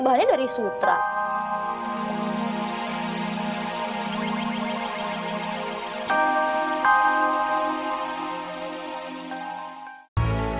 saya masih masih